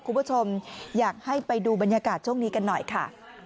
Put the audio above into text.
คุณผู้ชมอยากให้ไปดูบรรยากาศช่วงนี้กันหน่อยค่ะ